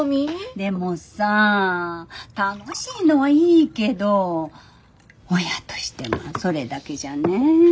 でもさ楽しいのはいいけど親としてはそれだけじゃねぇ。